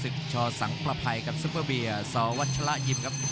ครับสวัสดีครับ